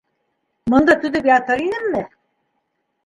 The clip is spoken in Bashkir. Мында түҙеп ятыр инемме?!.